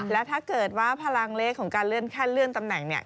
แล้วถ้าเกิดว่าพลังเลขของการเลื่อนขั้นเลื่อนตำแหน่งเนี่ย